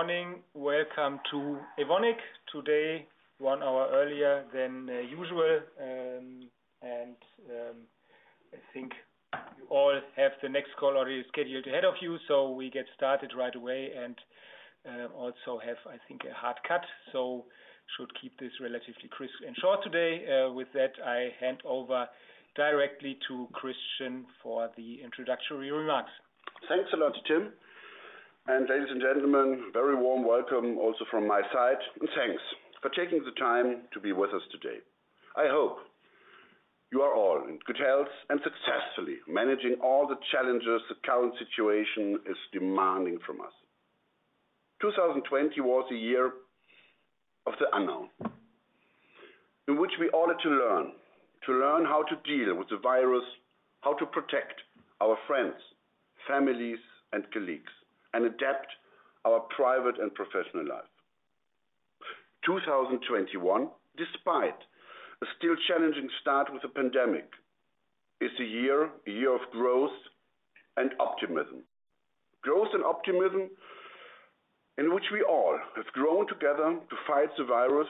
Good morning. Welcome to Evonik. Today, one hour earlier than usual. I think you all have the next call already scheduled ahead of you, we get started right away and also have, I think, a hard cut. Should keep this relatively crisp and short today. With that, I hand over directly to Christian for the introductory remarks. Thanks a lot, Tim. Ladies and gentlemen, very warm welcome also from my side, and thanks for taking the time to be with us today. I hope you are all in good health and successfully managing all the challenges the current situation is demanding from us. 2020 was a year of the unknown, in which we all had to learn. To learn how to deal with the virus, how to protect our friends, families, and colleagues, and adapt our private and professional life. 2021, despite a still challenging start with the pandemic, is a year of growth and optimism. Growth and optimism in which we all have grown together to fight the virus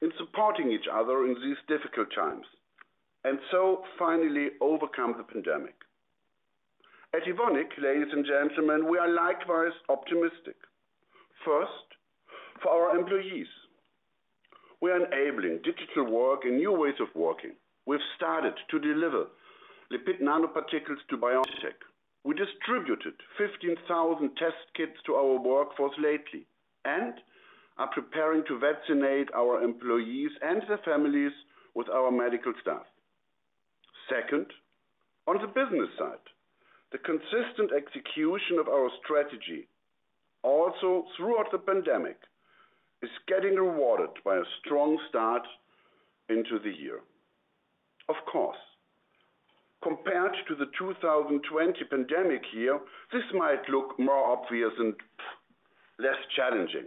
in supporting each other in these difficult times, and so finally overcome the pandemic. At Evonik, ladies and gentlemen, we are likewise optimistic. First, for our employees. We are enabling digital work and new ways of working. We've started to deliver lipid nanoparticles to BioNTech. We distributed 15,000 test kits to our workforce lately and are preparing to vaccinate our employees and their families with our medical staff. Second, on the business side. The consistent execution of our strategy, also throughout the pandemic, is getting rewarded by a strong start into the year. Of course, compared to the 2020 pandemic year, this might look more obvious and less challenging.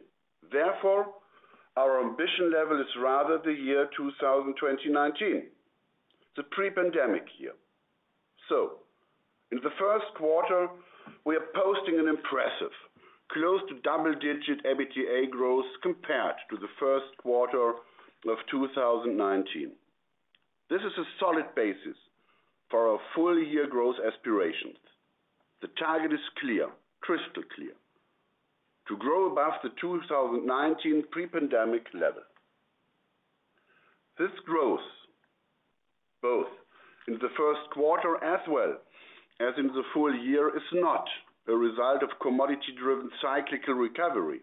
Our ambition level is rather the year 2019, the pre-pandemic year. In the first quarter, we are posting an impressive close to double-digit EBITDA growth compared to the first quarter of 2019. This is a solid basis for our full year growth aspirations. The target is clear, crystal clear: to grow above the 2019 pre-pandemic level. This growth, both in the first quarter as well as in the full year, is not a result of commodity-driven cyclical recovery.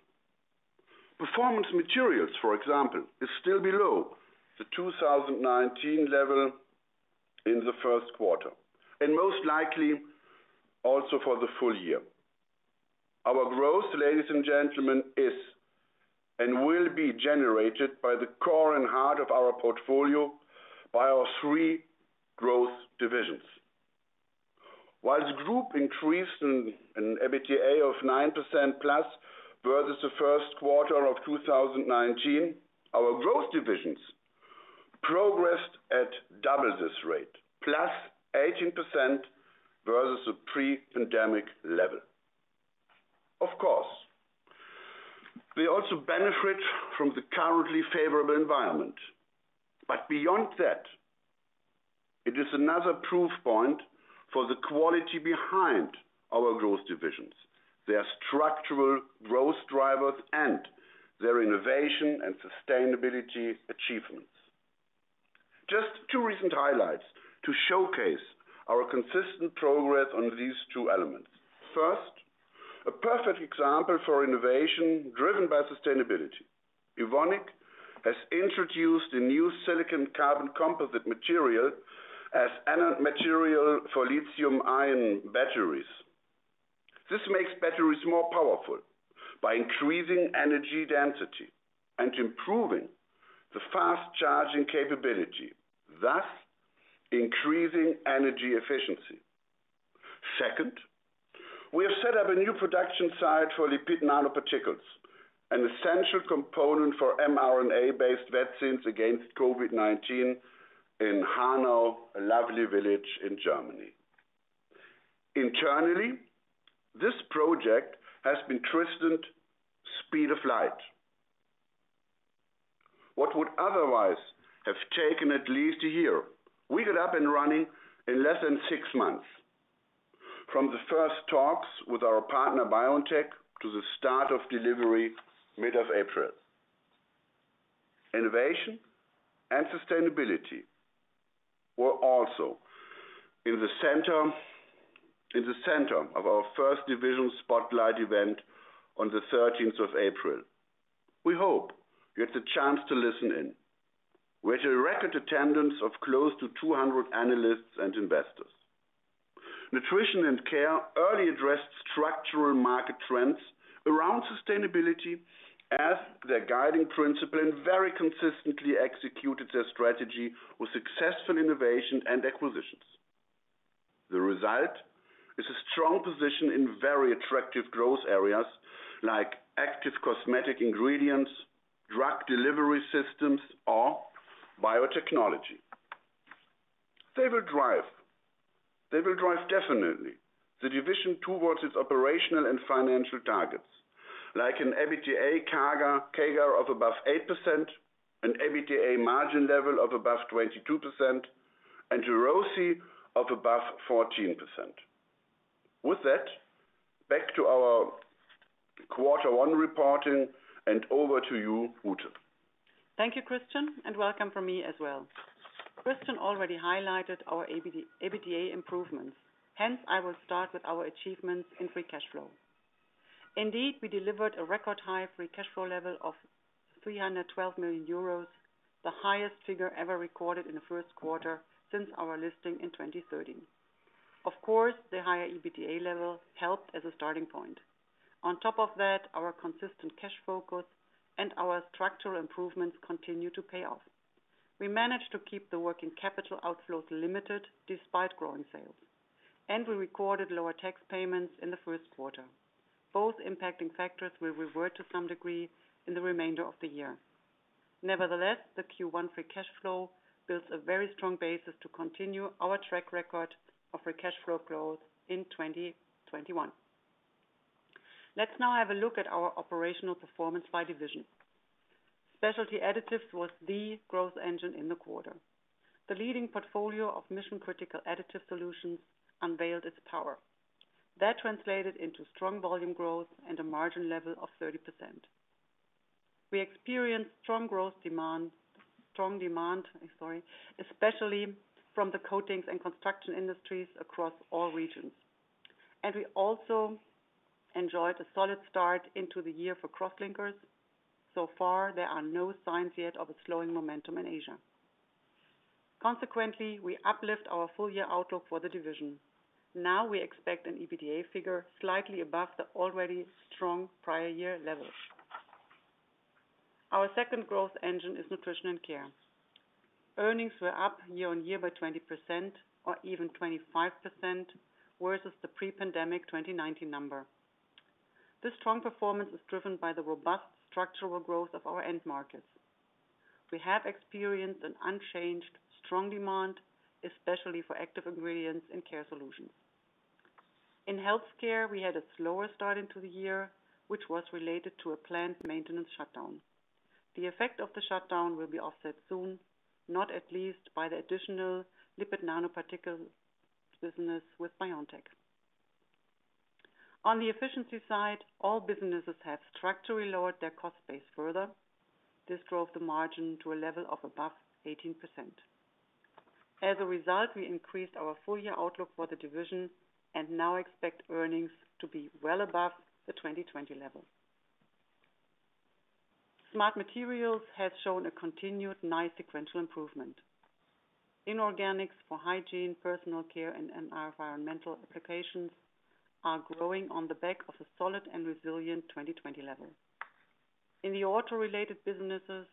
Performance Materials, for example, is still below the 2019 level in the first quarter, and most likely also for the full year. Our growth, ladies and gentlemen, is and will be generated by the core and heart of our portfolio by our three growth divisions. While the group increased in EBITDA of 9% plus versus the first quarter of 2019, our growth divisions progressed at double this rate, plus 18% versus the pre-pandemic level. Of course, they also benefit from the currently favorable environment. Beyond that, it is another proof point for the quality behind our growth divisions, their structural growth drivers, and their innovation and sustainability achievements. Just two recent highlights to showcase our consistent progress on these two elements. First, a perfect example for innovation driven by sustainability. Evonik has introduced a new silicon carbon composite material as anode material for lithium-ion batteries. This makes batteries more powerful by increasing energy density and improving the fast charging capability, thus increasing energy efficiency. Second, we have set up a new production site for lipid nanoparticles, an essential component for mRNA-based vaccines against COVID-19 in Hanau, a lovely village in Germany. Internally, this project has been termed speed of light. What would otherwise have taken at least a year, we got up and running in less than six months. From the first talks with our partner, BioNTech, to the start of delivery mid of April. Innovation and sustainability were also in the center of our first division spotlight event on the 13th of April. We hope you get the chance to listen in. We had a record attendance of close to 200 analysts and investors. Nutrition & Care early addressed structural market trends around sustainability as their guiding principle and very consistently executed their strategy with successful innovation and acquisitions. The result is a strong position in very attractive growth areas like active cosmetic ingredients, drug delivery systems, or biotechnology. They will drive definitely the division towards its operational and financial targets, like an EBITDA CAGR of above 8%, an EBITDA margin level of above 22%, and ROCE of above 14%. With that, back to our quarter one reporting and over to you, Ute. Thank you, Christian, and welcome from me as well. Christian already highlighted our EBITDA improvements. I will start with our achievements in free cash flow. We delivered a record high free cash flow level of 312 million euros, the highest figure ever recorded in the first quarter since our listing in 2013. Of course, the higher EBITDA level helped as a starting point. On top of that, our consistent cash focus and our structural improvements continue to pay off. We managed to keep the working capital outflows limited despite growing sales. We recorded lower tax payments in the first quarter. Both impacting factors will revert to some degree in the remainder of the year. The Q1 free cash flow builds a very strong basis to continue our track record of free cash flow growth in 2021. Let's now have a look at our operational performance by division. Specialty Additives was the growth engine in the quarter. The leading portfolio of mission-critical additive solutions unveiled its power. That translated into strong volume growth and a margin level of 30%. We experienced strong demand, especially from the coatings and construction industries across all regions. We also enjoyed a solid start into the year for crosslinkers. So far, there are no signs yet of a slowing momentum in Asia. Consequently, we uplift our full-year outlook for the division. Now we expect an EBITDA figure slightly above the already strong prior year levels. Our second growth engine is Nutrition & Care. Earnings were up year-over-year by 20% or even 25% versus the pre-pandemic 2019 number. This strong performance is driven by the robust structural growth of our end markets. We have experienced an unchanged strong demand, especially for active ingredients and care solutions. In healthcare, we had a slower start into the year, which was related to a planned maintenance shutdown. The effect of the shutdown will be offset soon, not at least by the additional lipid nanoparticle business with BioNTech. On the efficiency side, all businesses have structurally lowered their cost base further. This drove the margin to a level of above 18%. As a result, we increased our full-year outlook for the division and now expect earnings to be well above the 2020 level. Smart Materials has shown a continued nice sequential improvement. Inorganics for hygiene, personal care, and environmental applications are growing on the back of a solid and resilient 2020 level. In the auto-related businesses,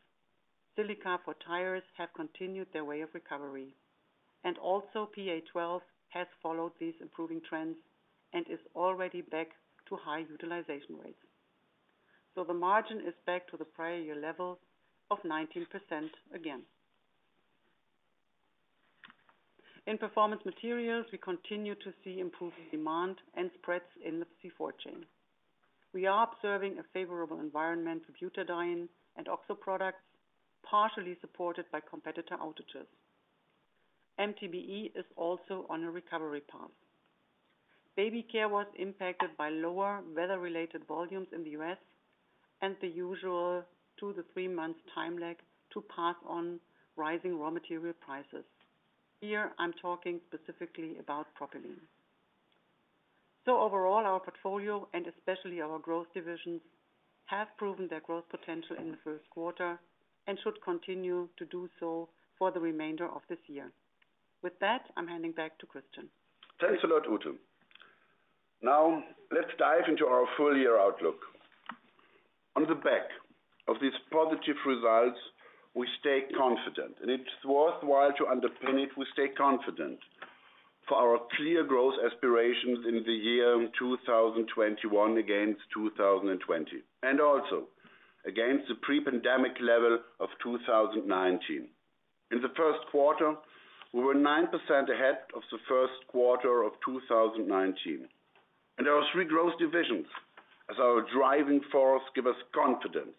silica for tires have continued their way of recovery. PA12 has followed these improving trends and is already back to high utilization rates. The margin is back to the prior year levels of 19% again. In Performance Materials, we continue to see improved demand and spreads in the C4 chain. We are observing a favorable environment for butadiene and oxo products, partially supported by competitor outages. MTBE is also on a recovery path. Baby care was impacted by lower weather-related volumes in the U.S. and the usual two to three months time lag to pass on rising raw material prices. Here I'm talking specifically about propylene. Overall, our portfolio and especially our growth divisions have proven their growth potential in the first quarter and should continue to do so for the remainder of this year. With that, I'm handing back to Christian. Thanks a lot, Ute. Let's dive into our full-year outlook. On the back of these positive results, we stay confident, and it's worthwhile to underpin it. We stay confident for our clear growth aspirations in the year 2021 against 2020. Also against the pre-pandemic level of 2019. In the first quarter, we were 9% ahead of the first quarter of 2019. Our three growth divisions as our driving force give us confidence,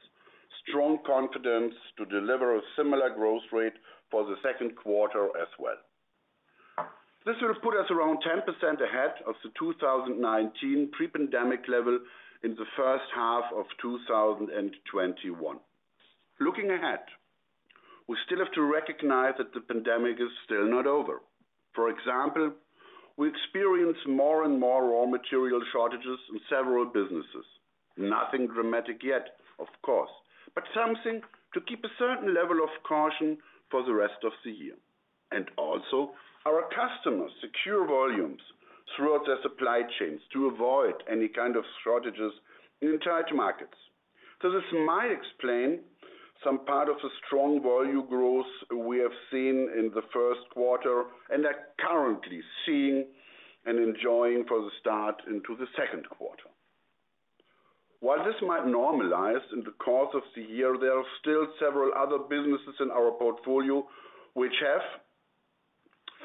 strong confidence to deliver a similar growth rate for the second quarter as well. This will put us around 10% ahead of the 2019 pre-pandemic level in the first half of 2021. Looking ahead, we still have to recognize that the pandemic is still not over. For example, we experience more and more raw material shortages in several businesses. Nothing dramatic yet, of course, but something to keep a certain level of caution for the rest of the year. Also our customers secure volumes throughout their supply chains to avoid any kind of shortages in the entire markets. This might explain some part of the strong volume growth we have seen in the first quarter and are currently seeing and enjoying for the start into the second quarter. While this might normalize in the course of the year, there are still several other businesses in our portfolio which have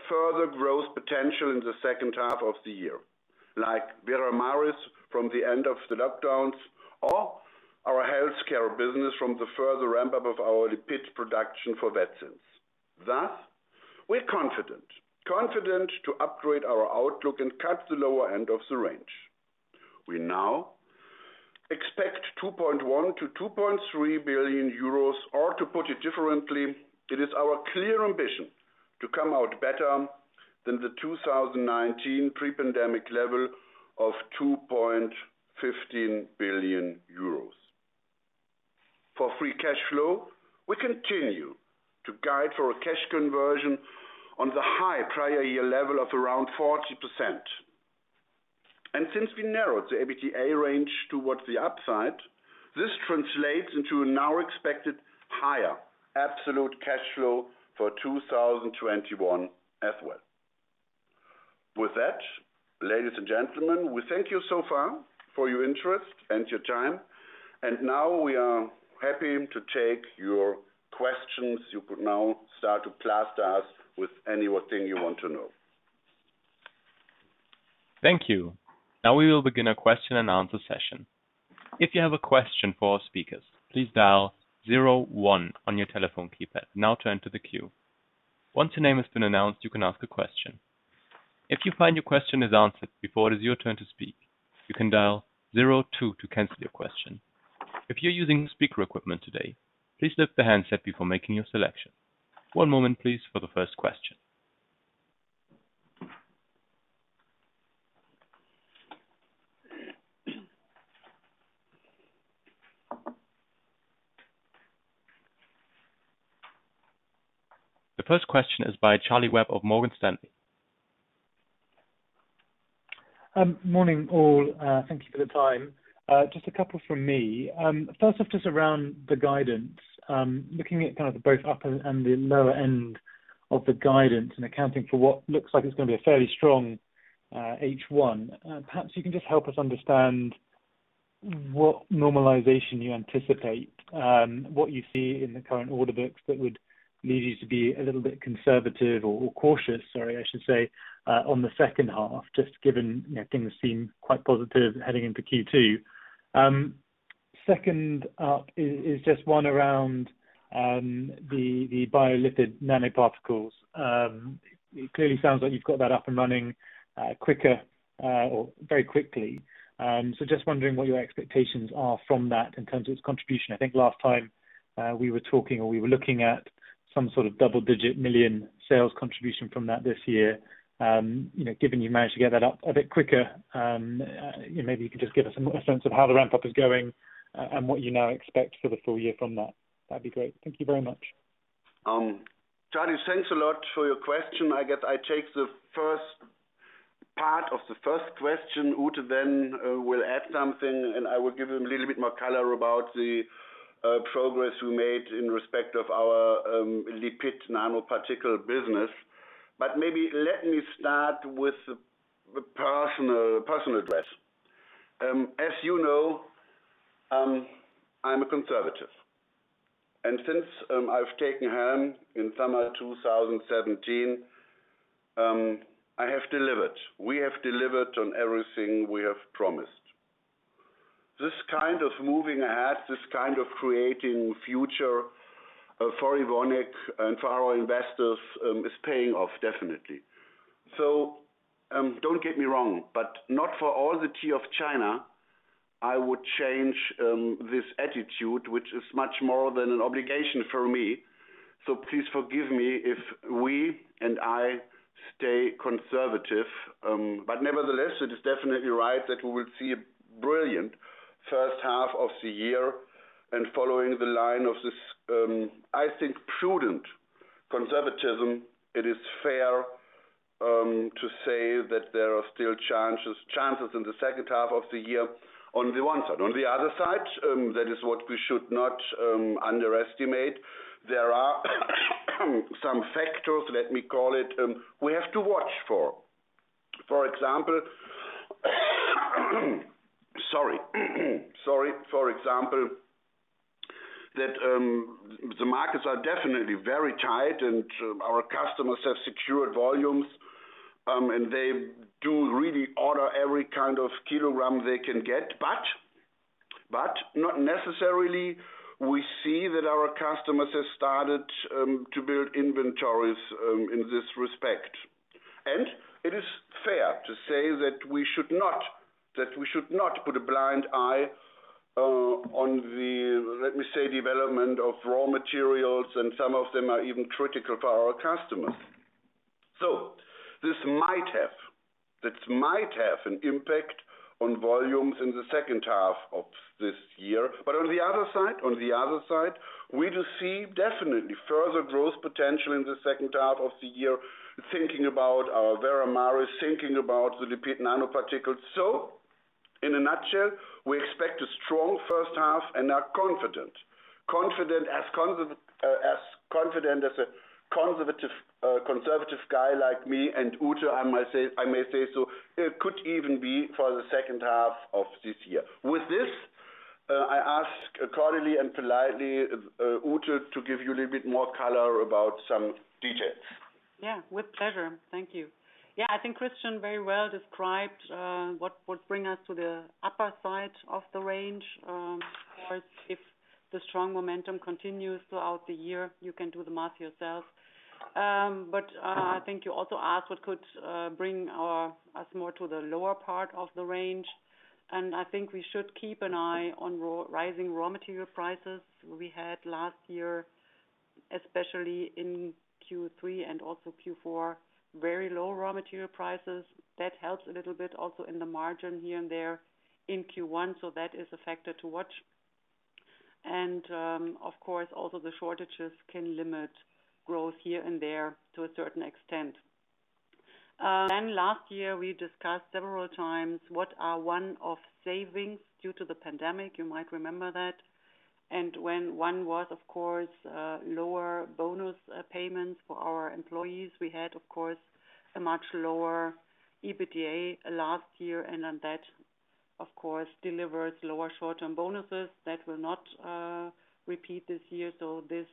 further growth potential in the second half of the year. Like Veramaris from the end of the lockdowns or our healthcare business from the further ramp-up of our lipid production for vaccines. Thus, we're confident to upgrade our outlook and cut the lower end of the range. We now expect 2.1 billion to 2.3 billion euros, or to put it differently, it is our clear ambition to come out better than the 2019 pre-pandemic level of 2.15 billion euros. For free cash flow, we continue to guide for a cash conversion on the high prior year level of around 40%. Since we narrowed the EBITDA range towards the upside, this translates into a now expected higher absolute cash flow for 2021 as well. With that, ladies and gentlemen, we thank you so far for your interest and your time, and now we are happy to take your questions. You could now start to plaster us with anything you want to know. Thank you. The first question is by Charlie Webb of Morgan Stanley. Morning, all. Thank you for the time. Just a couple from me. First off, just around the guidance. Looking at both the upper and the lower end of the guidance and accounting for what looks like it's going to be a fairly strong H1. Perhaps you can just help us understand what normalization you anticipate, what you see in the current order books that would lead you to be a little bit conservative or cautious, sorry, I should say, on the second half, just given things seem quite positive heading into Q2. Second up is just one around the lipid nanoparticles. It clearly sounds like you've got that up and running quicker or very quickly. Just wondering what your expectations are from that in terms of its contribution. I think last time we were talking or we were looking at some sort of double-digit million sales contribution from that this year. Given you have managed to get that up a bit quicker, maybe you could just give us a sense of how the ramp-up is going and what you now expect for the full year from that. That would be great. Thank you very much. Charlie, thanks a lot for your question. I guess I take the first part of the first question, Ute then will add something and I will give a little bit more color about the progress we made in respect of our lipid nanoparticle business. Maybe let me start with a personal address. As you know, I'm a conservative. Since I've taken helm in summer 2017, I have delivered. We have delivered on everything we have promised. This kind of moving ahead, this kind of creating future for Evonik and for our investors, is paying off definitely. Don't get me wrong, but not for all the tea of China I would change this attitude, which is much more than an obligation for me. Please forgive me if we and I stay conservative. Nevertheless, it is definitely right that we will see a brilliant first half of the year and following the line of this, I think, prudent conservatism, it is fair to say that there are still chances in the second half of the year on the one side. On the other side, that is what we should not underestimate. There are some factors, let me call it, we have to watch for. For example, that the markets are definitely very tight and our customers have secured volumes, and they do really order every kind of kilogram they can get. Not necessarily we see that our customers have started to build inventories in this respect. It is fair to say that we should not put a blind eye on the, let me say, development of raw materials, and some of them are even critical for our customers. This might have an impact on volumes in the second half of this year. On the other side, we do see definitely further growth potential in the second half of the year, thinking about our Veramaris, thinking about the lipid nanoparticles. In a nutshell, we expect a strong first half and are confident as a conservative guy like me and Ute, I may say so, it could even be for the second half of this year. With this, I ask cordially and politely Ute to give you a little bit more color about some details. With pleasure. Thank you. I think Christian very well described what would bring us to the upper side of the range. Of course, if the strong momentum continues throughout the year, you can do the math yourself. I think you also asked what could bring us more to the lower part of the range, and I think we should keep an eye on rising raw material prices. We had last year, especially in Q3 and also Q4, very low raw material prices. That helps a little bit also in the margin here and there in Q1, so that is a factor to watch. Of course, also the shortages can limit growth here and there to a certain extent. Last year, we discussed several times what are one-off savings due to the pandemic. You might remember that. When one was, of course, lower bonus payments for our employees. We had, of course, a much lower EBITDA last year, that, of course, delivers lower short-term bonuses. That will not repeat this year. This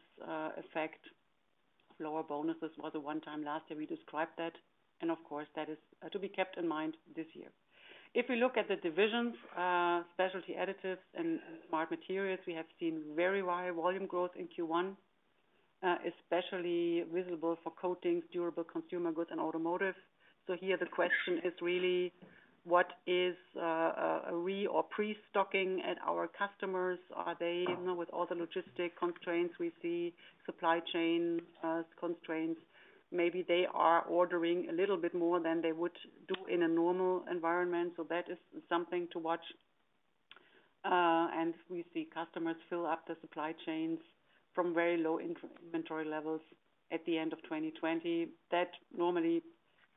effect, lower bonuses, was a one-time last year, we described that is to be kept in mind this year. If we look at the divisions, Specialty Additives and Smart Materials, we have seen very high volume growth in Q1, especially visible for coatings, durable consumer goods, and automotive. Here the question is really: What is a re- or pre-stocking at our customers? Are they, with all the logistic constraints we see, supply chain constraints, maybe they are ordering a little bit more than they would do in a normal environment. That is something to watch. We see customers fill up the supply chains from very low inventory levels at the end of 2020. That normally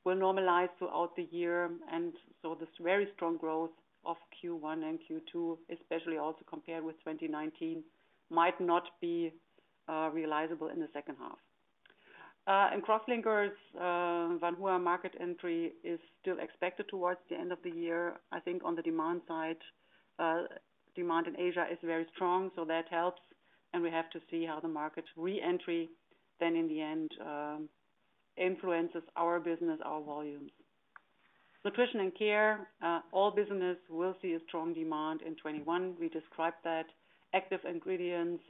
will normalize throughout the year, and so this very strong growth of Q1 and Q2, especially also compared with 2019, might not be realizable in the second half. In crosslinkers, Wanhua market entry is still expected towards the end of the year. I think on the demand side, demand in Asia is very strong, so that helps, and we have to see how the market re-entry then in the end influences our business, our volumes. Nutrition & Care, all business will see a strong demand in 2021. We described that. Active cosmetic ingredients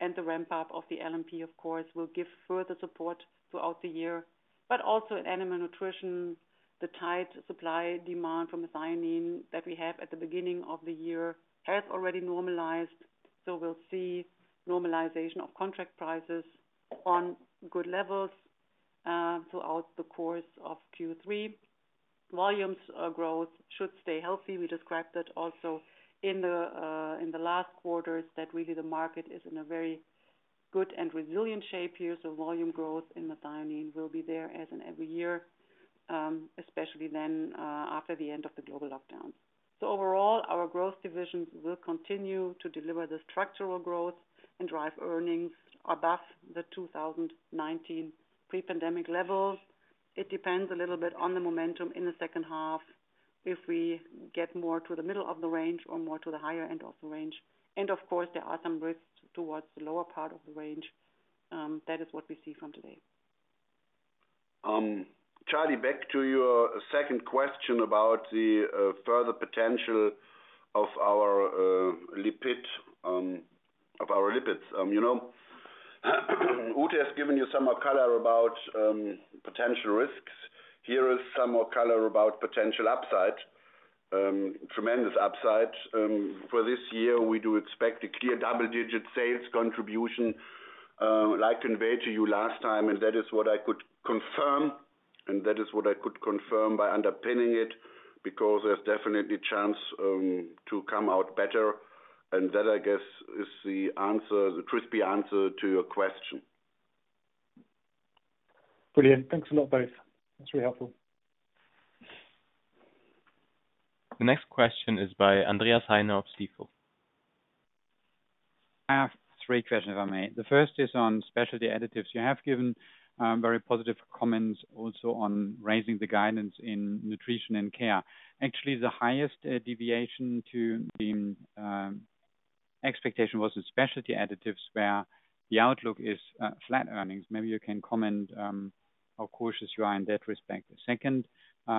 and the ramp-up of the LNP, of course, will give further support throughout the year. Also in animal nutrition, the tight supply-demand for methionine that we have at the beginning of the year has already normalized, we'll see normalization of contract prices on good levels, throughout the course of Q3. Volumes growth should stay healthy. We described that also in the last quarters that really the market is in a very good and resilient shape here. Volume growth in methionine will be there as in every year, especially after the end of the global lockdowns. Overall, our growth divisions will continue to deliver the structural growth and drive earnings above the 2019 pre-pandemic levels. It depends a little bit on the momentum in the second half if we get more to the middle of the range or more to the higher end of the range. Of course, there are some risks towards the lower part of the range. That is what we see from today. Charlie, back to your second question about the further potential of our lipids. Ute has given you some more color about potential risks. Here is some more color about potential upside. Tremendous upside. For this year, we do expect a clear double-digit sales contribution, like conveyed to you last time, and that is what I could confirm by underpinning it, because there's definitely chance to come out better. That, I guess, is the crispy answer to your question. Brilliant. Thanks a lot, both. That's really helpful. The next question is by Andreas Heine of Stifel. I have three questions, if I may. The first is on Specialty Additives. You have given very positive comments also on raising the guidance in Nutrition & Care. Actually, the highest deviation to the expectation was in Specialty Additives, where the outlook is flat earnings. Maybe you can comment how cautious you are in that respect. The second,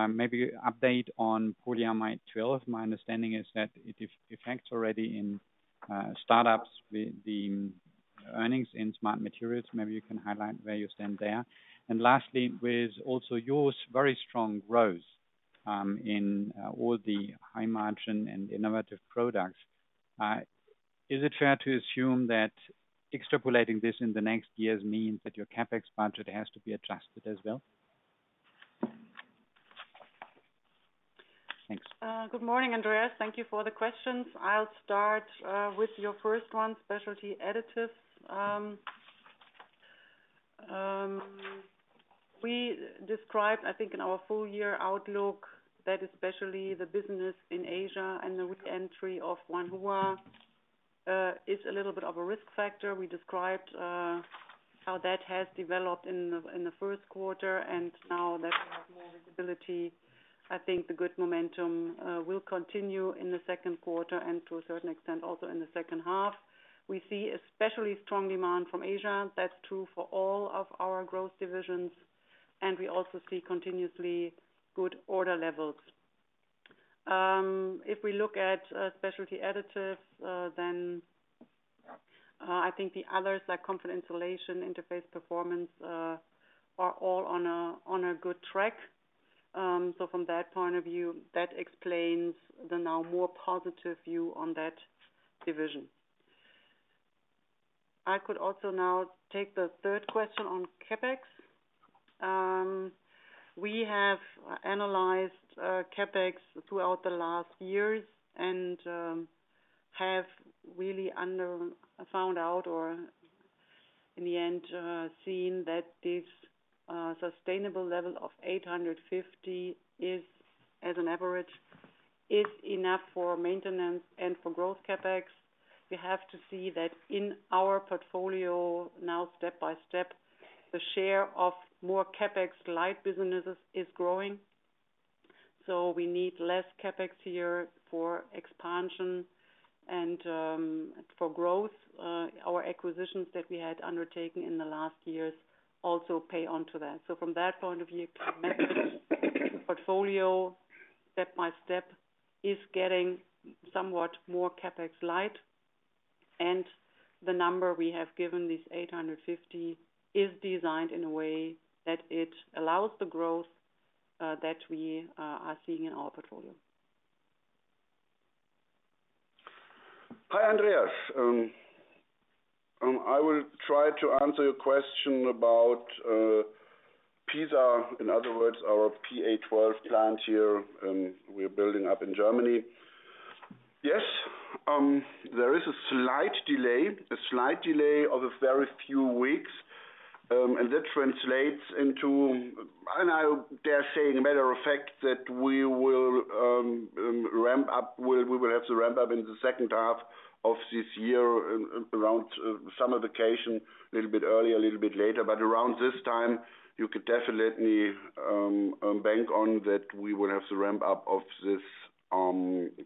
maybe update on polyamide 12. My understanding is that it effects already in startups with the earnings in Smart Materials. Maybe you can highlight where you stand there. Lastly, with also your very strong growth in all the high margin and innovative products, is it fair to assume that extrapolating this in the next years means that your CapEx budget has to be adjusted as well? Thanks. Good morning, Andreas. Thank you for the questions. I'll start with your first one, Specialty Additives. We described, I think in our full year outlook, that especially the business in Asia and the re-entry of Wanhua, is a little bit of a risk factor. We described how that has developed in the first quarter and now that we have more visibility, I think the good momentum will continue in the second quarter and to a certain extent, also in the second half. We see especially strong demand from Asia. That's true for all of our growth divisions, and we also see continuously good order levels. If we look at Specialty Additives, then I think the others like Comfort & Insulation, Interface & Performance, are all on a good track. From that point of view, that explains the now more positive view on that division. I could also now take the third question on CapEx. We have analyzed CapEx throughout the last years and have really found out, or in the end, seen that this sustainable level of 850 as an average, is enough for maintenance and for growth CapEx. We have to see that in our portfolio now step by step, the share of more CapEx light businesses is growing. We need less CapEx here for expansion and for growth. Our acquisitions that we had undertaken in the last years also pay onto that. From that point of view, CapEx portfolio step by step is getting somewhat more CapEx light. The number we have given, this 850, is designed in a way that it allows the growth that we are seeing in our portfolio. Hi, Andreas. I will try to answer your question about Pisa. In other words, our PA12 plant here we're building up in Germany. Yes, there is a slight delay of a very few weeks. That translates into, and I dare say in a matter of fact, that we will have to ramp up in the second half of this year around summer vacation, a little bit earlier, a little bit later. Around this time, you could definitely bank on that we will have to ramp up of this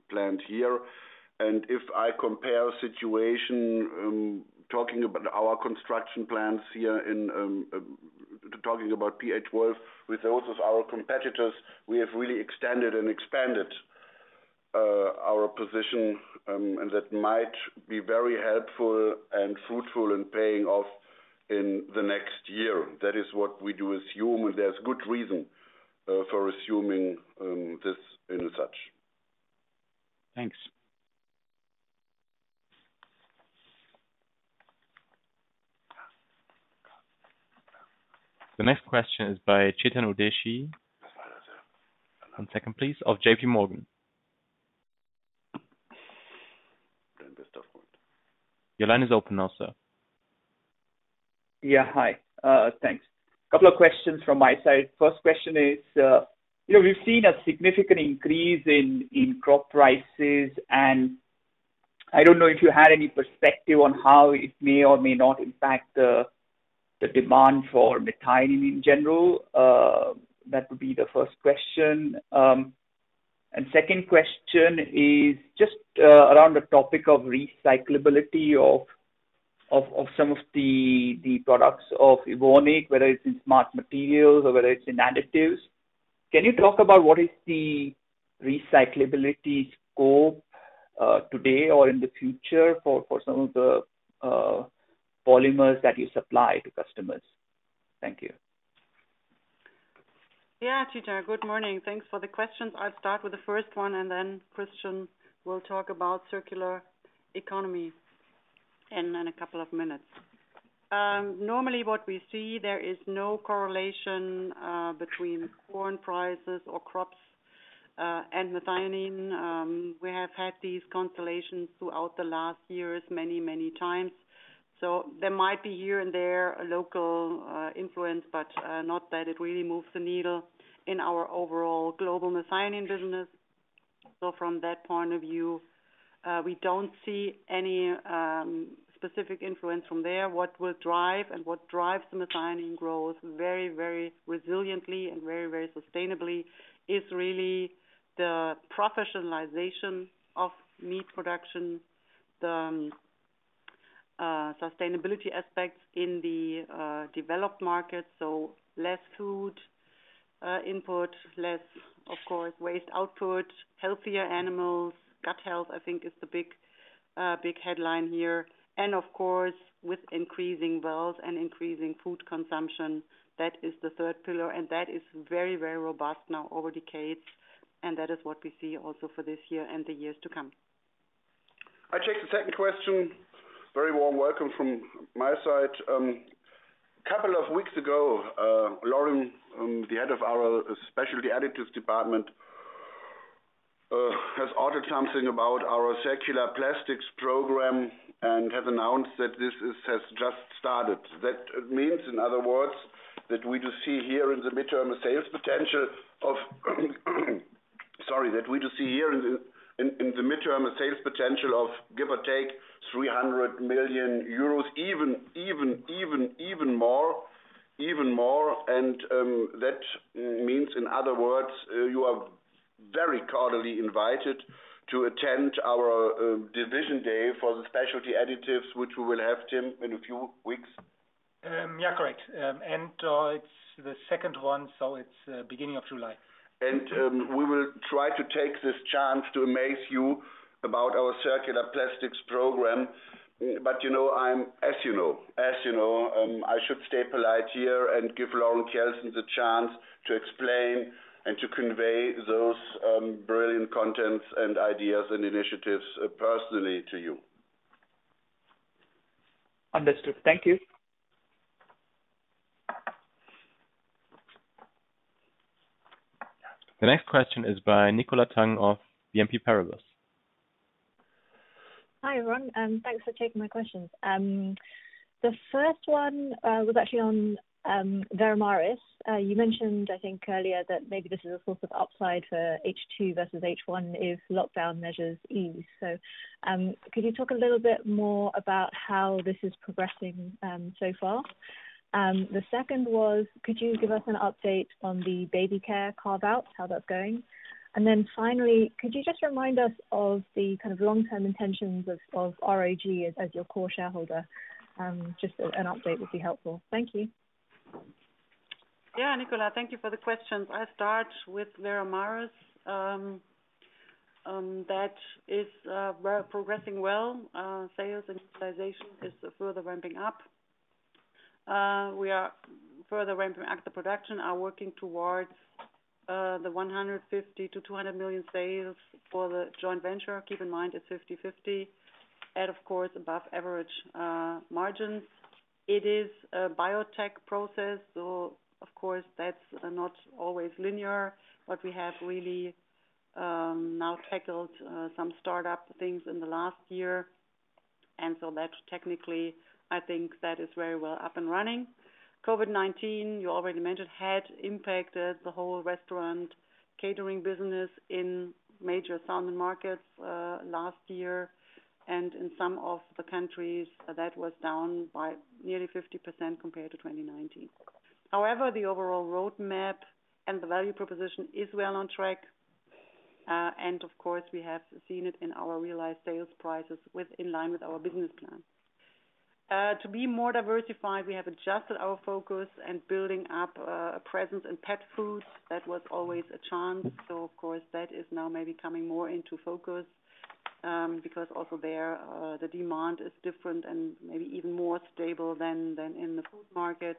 plant here. If I compare situation, talking about our construction plans here, talking about PA12 with those of our competitors, we have really extended and expanded our position, and that might be very helpful and fruitful in paying off in the next year. That is what we do assume, and there's good reason for assuming this in such. Thanks. The next question is by Chetan Udeshi. One second, please. Of JPMorgan. Your line is open now, sir. Yeah. Hi. Thanks. Couple of questions from my side. First question is, we've seen a significant increase in crop prices. I don't know if you had any perspective on how it may or may not impact the demand for methionine in general. That would be the first question. Second question is just around the topic of recyclability of some of the products of Evonik, whether it's in Smart Materials or whether it's in additives. Can you talk about what is the recyclability scope, today or in the future for some of the polymers that you supply to customers? Thank you. Yeah. Chetan, good morning. Thanks for the questions. I'll start with the first one, and then Christian will talk about circular economy in a couple of minutes. Normally, what we see, there is no correlation between corn prices or crops, and methionine. We have had these constellations throughout the last years many, many times. There might be here and there a local influence, but not that it really moves the needle in our overall global methionine business. From that point of view, we don't see any specific influence from there. What will drive and what drives the methionine growth very resiliently and very sustainably is really the professionalization of meat production, the sustainability aspects in the developed markets. Less food input, less, of course, waste output, healthier animals. Gut health, I think is the big headline here. Of course, with increasing wealth and increasing food consumption, that is the third pillar. That is very robust now over decades, and that is what we see also for this year and the years to come. I take the second question. Very warm welcome from my side. Couple of weeks ago, Lauren, the head of our Specialty Additives department has ordered something about our Circular Plastics Program and has announced that this has just started. That means, in other words, that we do see here in the midterm a sales potential of give or take, 300 million euros, even more. That means, in other words, you are very cordially invited to attend our division day for the Specialty Additives, which we will have, Tim, in a few weeks. Yeah. Correct. It's the second one, so it's beginning of July. We will try to take this chance to amaze you about our Circular Plastics Program. As you know, I should stay polite here and give Lauren Kjeldsen the chance to explain and to convey those brilliant contents and ideas and initiatives personally to you. Understood. Thank you. The next question is by Nicola Tang of BNP Paribas. Hi, everyone. Thanks for taking my questions. The first one was actually on Veramaris. You mentioned, I think earlier, that maybe this is a source of upside for H2 versus H1 if lockdown measures ease. Could you talk a little bit more about how this is progressing so far? The second was, could you give us an update on the baby care carve-out, how that's going? Finally, could you just remind us of the kind of long-term intentions of RAG as your core shareholder? Just an update would be helpful. Thank you. Yeah, Nicola, thank you for the questions. I'll start with Veramaris. That is progressing well. Sales and utilization is further ramping up. We are further ramping up the production, are working towards 150 million to 200 million sales for the joint venture. Keep in mind, it's 50/50, of course, above average margins. It is a biotech process, of course that's not always linear. We have really now tackled some startup things in the last year, technically, I think that is very well up and running. COVID-19, you already mentioned, had impacted the whole restaurant catering business in major salmon markets, last year. In some of the countries, that was down by nearly 50% compared to 2019. However, the overall roadmap and the value proposition is well on track. Of course, we have seen it in our realized sales prices with in line with our business plan. To be more diversified, we have adjusted our focus and building up a presence in pet food. That was always a chance. Of course, that is now maybe coming more into focus, because also there, the demand is different and maybe even more stable than in the food market.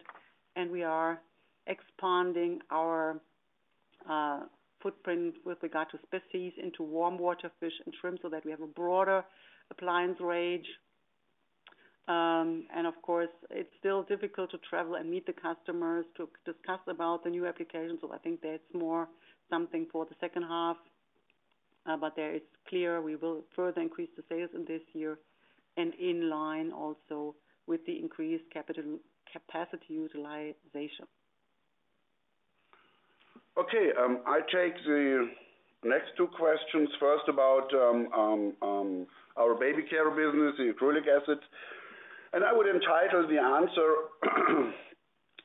We are expanding our footprint with regard to species into warm water fish and shrimp, so that we have a broader appliance range. Of course, it's still difficult to travel and meet the customers to discuss about the new applications, so I think that's more something for the second half. There it's clear we will further increase the sales in this year and in line also with the increased capacity utilization. Okay. I take the next two questions. First, about our baby care business, the acrylic acid. I would entitle the answer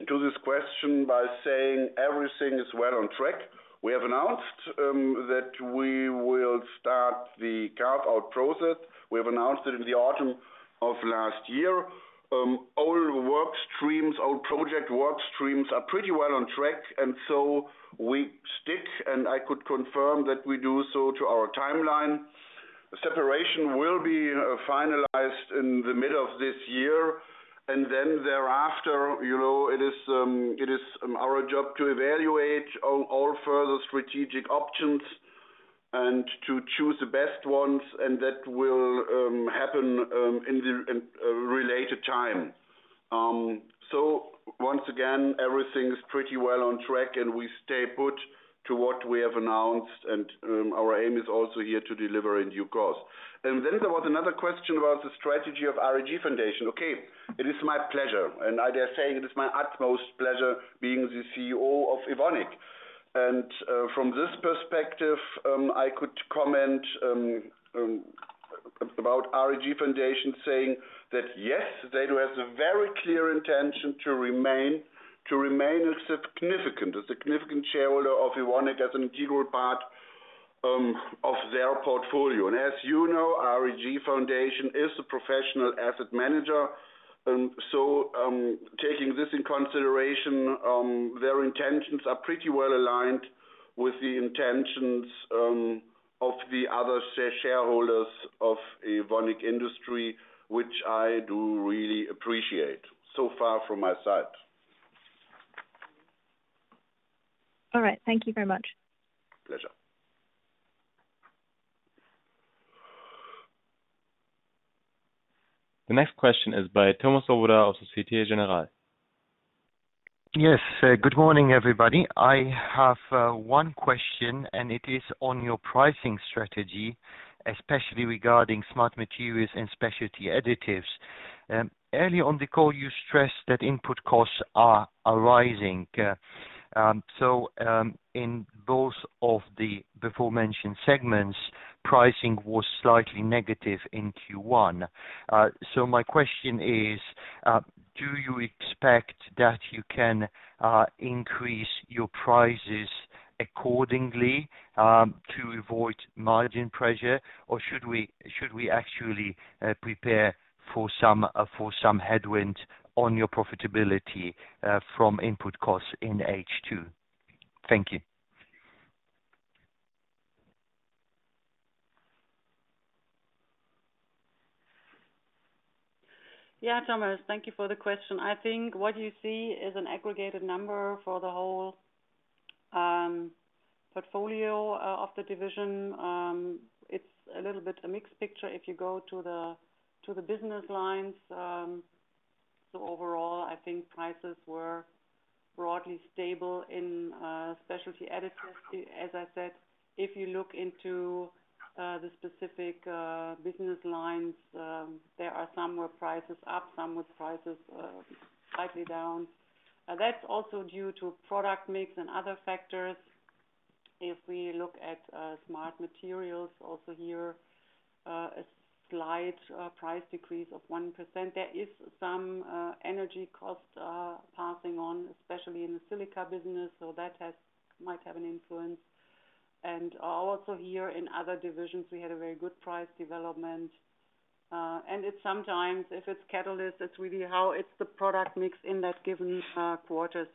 to this question by saying everything is well on track. We have announced that we will start the carve-out process. We have announced it in the autumn of last year. All project work streams are pretty well on track, and so we stick, and I could confirm that we do so to our timeline. Separation will be finalized in the middle of this year, and then thereafter, it is our job to evaluate all further strategic options and to choose the best ones, and that will happen in the related time. Once again, everything's pretty well on track, and we stay put to what we have announced. Our aim is also here to deliver in due course. There was another question about the strategy of RAG-Stiftung. Okay. It is my pleasure, and I dare say it is my utmost pleasure being the CEO of Evonik. From this perspective, I could comment about RAG-Stiftung saying that yes, they do have a very clear intention to remain a significant shareholder of Evonik as an integral part of their portfolio. As you know, RAG-Stiftung is a professional asset manager. Taking this in consideration, their intentions are pretty well aligned with the intentions of the other shareholders of Evonik Industries, which I do really appreciate. Far from my side. All right. Thank you very much. Pleasure. The next question is by Thomas Swoboda of Societe Generale. Yes. Good morning, everybody. I have one question, and it is on your pricing strategy, especially regarding Smart Materials and Specialty Additives. Early on the call, you stressed that input costs are rising. In both of the before-mentioned segments, pricing was slightly negative in Q1. My question is, do you expect that you can increase your prices accordingly, to avoid margin pressure? Should we actually prepare for some headwinds on your profitability from input costs in H2? Thank you. Yeah, Thomas, thank you for the question. I think what you see is an aggregated number for the whole portfolio of the division. It's a little bit of a mixed picture if you go to the business lines. Overall, I think prices were broadly stable in Specialty Additives. As I said, if you look into the specific business lines, there are some where prices are up, some with prices slightly down. That's also due to product mix and other factors. If we look at Smart Materials, also here, a slight price decrease of 1%. There is some energy cost passing on, especially in the silica business, so that might have an influence. Also here in other divisions, we had a very good price development. It's sometimes, if it's catalyst, it's really how it's the product mix in that given quarter.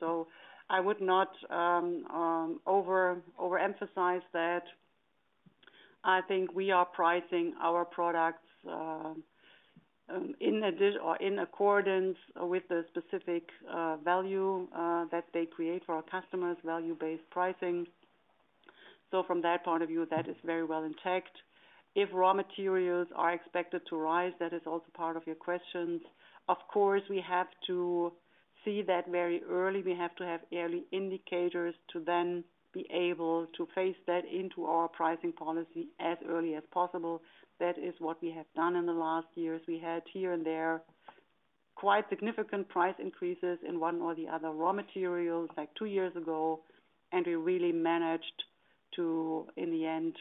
I would not over-emphasize that. I think we are pricing our products in accordance with the specific value that they create for our customers, value-based pricing. From that point of view, that is very well intact. If raw materials are expected to rise, that is also part of your questions. Of course, we have to see that very early. We have to have early indicators to then be able to phase that into our pricing policy as early as possible. That is what we have done in the last years. We had here and there quite significant price increases in one or the other raw materials, like two years ago, and we really managed to, in the end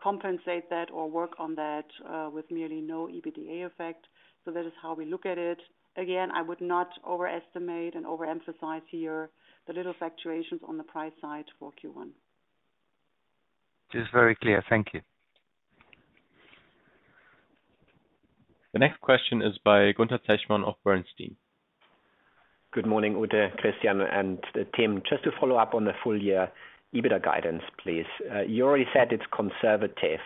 compensate that or work on that, with nearly no EBITDA effect. That is how we look at it. Again, I would not overestimate and overemphasize here the little fluctuations on the price side for Q1. It is very clear. Thank you. The next question is by Gunther Zechmann of Bernstein. Good morning, Ute, Christian, and the team. Just to follow up on the full year EBITDA guidance, please. You already said it's conservative.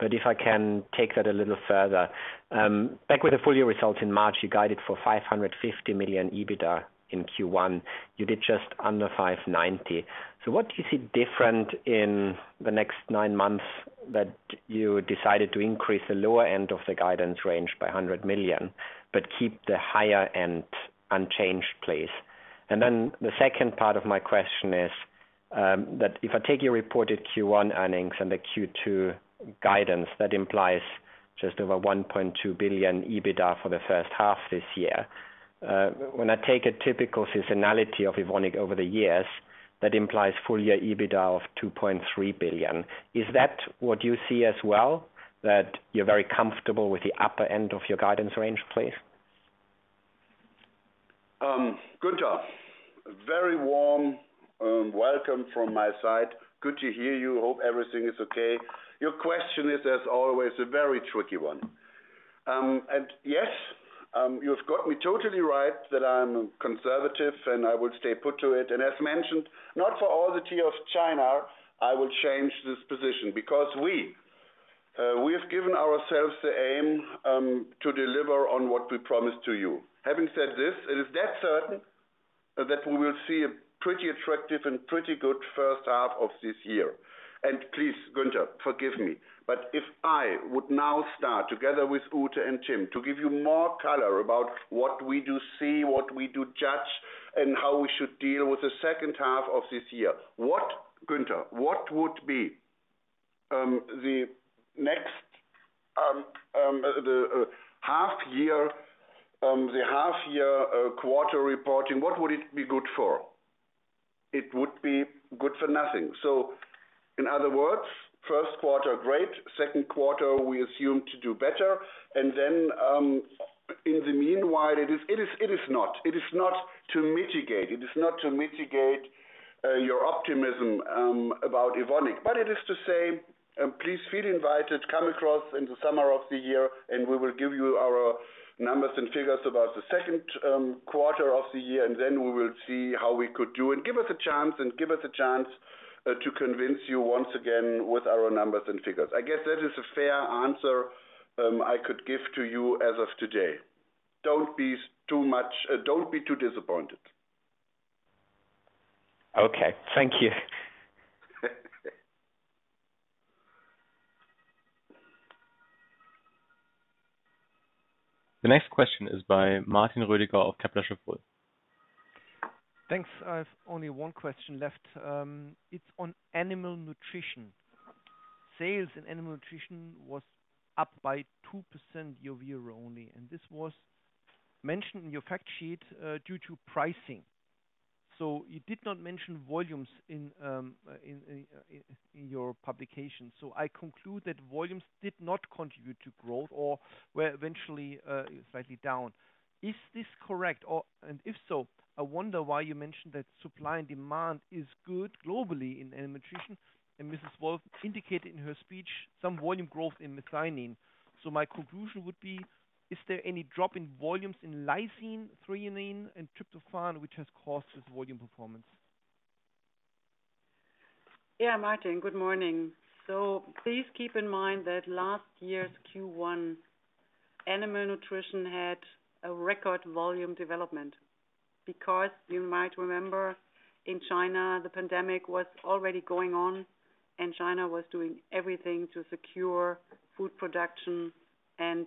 If I can take that a little further. Back with the full year results in March, you guided for 550 million EBITDA in Q1. You did just under 590. What do you see different in the next nine months that you decided to increase the lower end of the guidance range by 100 million. Keep the higher end unchanged, please? The second part of my question is that if I take your reported Q1 earnings and the Q2 guidance, that implies just over 1.2 billion EBITDA for the first half this year. When I take a typical seasonality of Evonik over the years, that implies full year EBITDA of 2.3 billion. Is that what you see as well, that you're very comfortable with the upper end of your guidance range, please? Gunther, very warm welcome from my side. Good to hear you. Hope everything is okay. Your question is, as always, a very tricky one. Yes, you've got me totally right that I'm conservative, and I would stay put to it. As mentioned, not for all the tea of China, I will change this position because we have given ourselves the aim to deliver on what we promised to you. Having said this, it is dead certain that we will see a pretty attractive and pretty good first half of this year. Please, Gunther, forgive me, but if I would now start together with Ute and Tim to give you more color about what we do see, what we do judge, and how we should deal with the second half of this year. Gunther, what would be the half year quarter reporting, what would it be good for? It would be good for nothing. In other words, first quarter, great. Second quarter, we assume to do better. In the meanwhile, it is not to mitigate your optimism about Evonik, but it is to say, please feel invited, come across in the summer of the year, and we will give you our numbers and figures about the second quarter of the year, and then we will see how we could do. Give us a chance to convince you once again with our numbers and figures. I guess that is a fair answer I could give to you as of today. Don't be too disappointed. Okay. Thank you. The next question is by Martin Roediger of Kepler Cheuvreux. Thanks. I have only one question left. It's on animal nutrition. Sales in animal nutrition was up by 2% year-over-year only, and this was mentioned in your fact sheet due to pricing. You did not mention volumes in your publication. I conclude that volumes did not contribute to growth or were eventually slightly down. Is this correct? If so, I wonder why you mentioned that supply and demand is good globally in animal nutrition, and Ute Wolf indicated in her speech some volume growth in methionine. My conclusion would be, is there any drop in volumes in lysine, threonine, and tryptophan, which has caused this volume performance? Yeah, Martin, good morning. Please keep in mind that last year's Q1, animal nutrition had a record volume development, because you might remember in China, the pandemic was already going on, and China was doing everything to secure food production and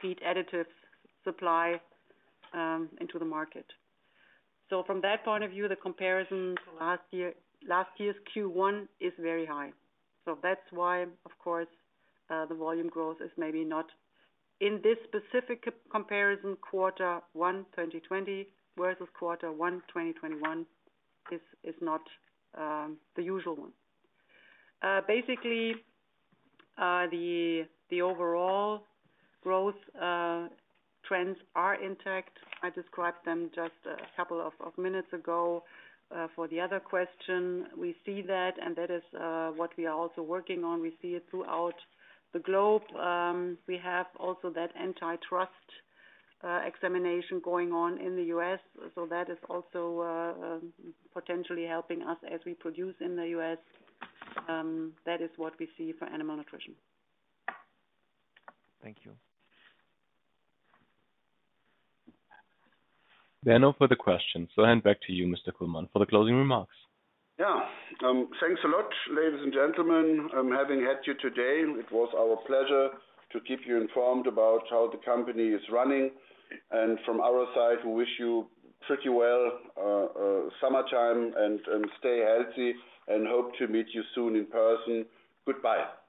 feed additives supply into the market. From that point of view, the comparison to last year's Q1 is very high. That's why, of course, the volume growth is maybe not in this specific comparison quarter one 2020 versus quarter one 2021 is not the usual one. Basically, the overall growth trends are intact. I described them just a couple of minutes ago for the other question. We see that, and that is what we are also working on. We see it throughout the globe. We have also that antitrust examination going on in the U.S., so that is also potentially helping us as we produce in the U.S. That is what we see for animal nutrition. Thank you. There are no further questions. I hand back to you, Mr. Kullmann, for the closing remarks. Yeah. Thanks a lot, ladies and gentlemen, having had you today. It was our pleasure to keep you informed about how the company is running. From our side, we wish you pretty well, summertime, and stay healthy and hope to meet you soon in person. Goodbye.